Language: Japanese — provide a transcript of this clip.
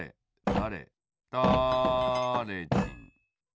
だれだれじん